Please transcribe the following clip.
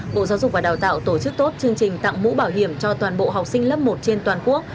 bộ giáo dục và đào tạo tổ chức tốt chương trình tặng mũ bảo hiểm cho toàn bộ học sinh lớp một trên toàn quốc